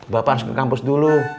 bapak harus ke kampus dulu